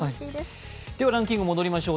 ランキングに戻りましょう。